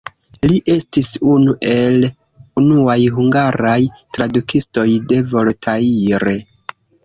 Li estis unu el unuaj hungaraj tradukistoj de Voltaire.